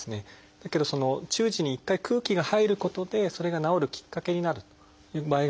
だけどその中耳に一回空気が入ることでそれが治るきっかけになるという場合があります。